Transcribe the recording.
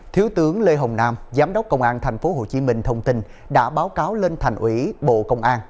thiếu tướng lê hồng nam giám đốc công an tp hcm thông tin đã báo cáo lên thành ủy bộ công an